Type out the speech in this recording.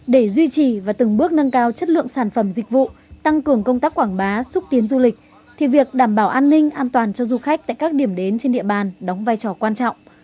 để duy trì và từng bước nâng cao chất lượng sản phẩm dịch vụ tăng cường công tác quảng bá xúc tiến du lịch thì việc đảm bảo an ninh an toàn cho du khách tại các điểm đến trên địa bàn đóng vai trò quan trọng